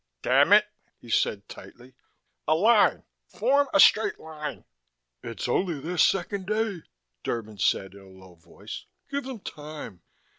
"Damn it," he said tightly, "a line. Form a straight line." "It's only their second day," Derban said in a low voice. "Give them time."